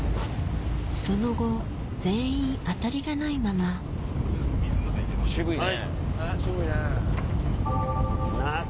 その後全員あたりがないまま渋いね。